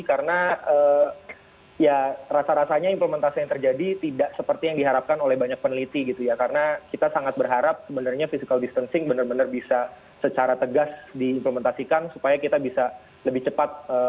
karena ya rasa rasanya implementasi yang terjadi tidak seperti yang diharapkan oleh banyak peneliti gitu ya karena kita sangat berharap sebenarnya physical distancing benar benar bisa secara tegas diimplementasikan supaya kita bisa lebih cepat